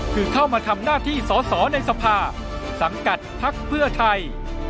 คือเข้ามาทำหน้าที่สอสอในสภาสังกัดพักเพื่อไทย